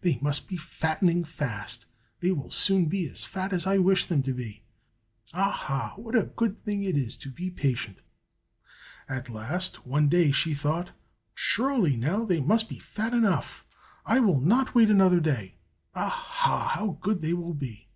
they must be fattening fast! they will soon be as fat as I wish them to be. Aha! what a good thing it is to be patient." At last, one day she thought, "Surely, now they must be fat enough! I will not wait another day. Aha! how good they will be!"